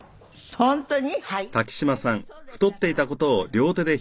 本当に！？